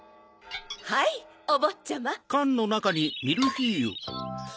はいおぼっちゃま。